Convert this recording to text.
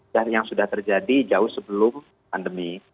dan yang sudah terjadi jauh sebelum pandemi